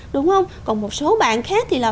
đúng không còn một số bạn khác thì là